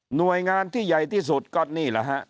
หน่วยงานที่ใหญ่ที่สุดก็นี่แหละฮะ